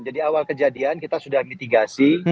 jadi awal kejadian kita sudah mitigasi